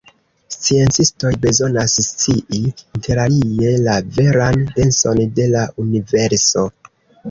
Sciencistoj bezonas scii, interalie, la veran denson de la universo.